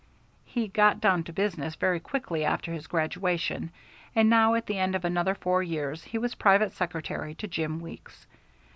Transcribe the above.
He "got down to business" very quickly after his graduation, and now at the end of another four years he was private secretary to Jim Weeks.